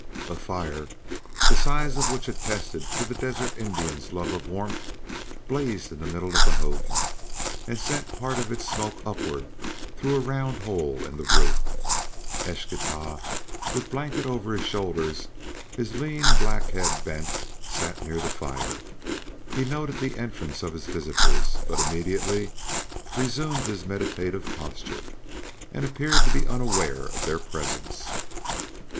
A fire, the size of which attested the desert Indian's love of warmth, blazed in the middle of the hogan, and sent part of its smoke upward through a round hole in the roof. Eschtah, with blanket over his shoulders, his lean black head bent, sat near the fire. He noted the entrance of his visitors, but immediately resumed his meditative posture, and appeared to be unaware of their presence.